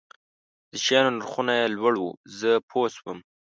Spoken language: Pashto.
د شیانو نرخونه یې لوړ وو، زه پوه شوم.